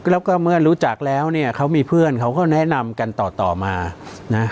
แล้วก็เมื่อรู้จักแล้วเนี่ยเขามีเพื่อนเขาก็แนะนำกันต่อต่อมานะ